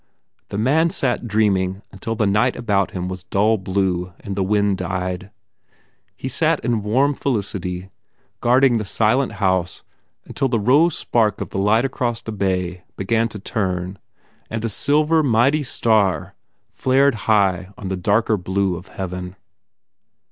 The man sat dreaming until the night about him was dull blue and the wind died. He sat in warm felicity, guarding the silent house until the rose spark of the light across the bay began to turn and a silver, mighty star flared high on the darker blue of heaven.